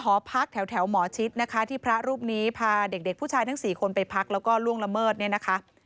หอพักแถวหมอชิดนะคะที่พระรูปนี้พาเด็กผู้ชายทั้ง๔คนไปพักแล้วก็ล่วงละเมิดเนี่ยนะคะ